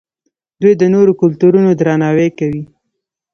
دوی د نورو کلتورونو درناوی کوي.